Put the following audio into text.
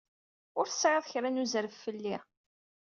Ur tesɛiḍ kra n uzref fell-i.